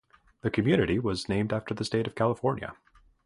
The community was named after the state of California.